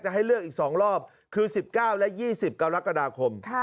ให้เลือกอีก๒รอบคือ๑๙และ๒๐กรกฎาคม